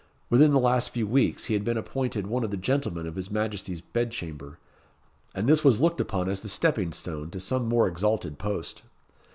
Within the last few weeks, he had been appointed one of the Gentlemen of his Majesty's Bed chamber; and this was looked upon as the stepping stone to some more exalted post.